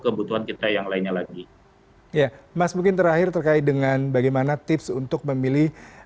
kebutuhan kita yang lainnya lagi ya mas mungkin terakhir terkait dengan bagaimana tips untuk memilih